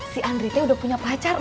si andri teh udah punya pacar